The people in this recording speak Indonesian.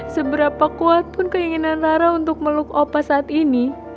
seberapa kuat pun keinginan nara untuk meluk opa saat ini